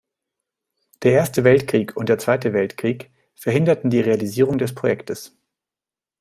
Der Erste Weltkrieg und der Zweite Weltkrieg verhinderten die Realisierung des Projekts.